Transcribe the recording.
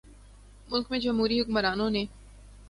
ملک میں جمہوری حکمرانوں نے